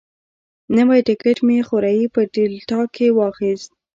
نوی ټکټ مې خوریي په ډیلټا کې واخیست.